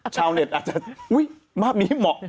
ชาวเน็ตอาจจะอุ๊ยภาพนี้เหมาะ